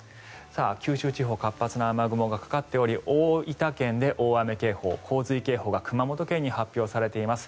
九州地方活発な雨雲がかかっており大分県で大雨警報洪水警報が熊本県に発表されています。